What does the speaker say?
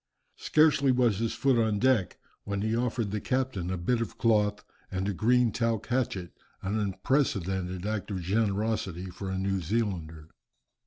Scarcely was his foot on deck, when he offered the captain a bit of cloth, and a green talc hatchet, an unprecedented act of generosity for a New Zealander.